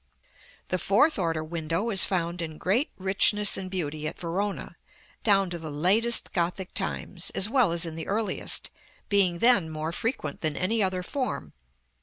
The fourth order window is found in great richness and beauty at Verona, down to the latest Gothic times, as well as in the earliest, being then more frequent than any other form.